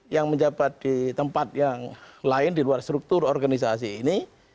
yang menjabat di tempat yang lain di luar struktur organisasi ini